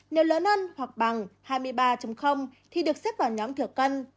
nếu lớn hơn hoặc bằng hai mươi ba thì được xếp vào nhóm thừa cân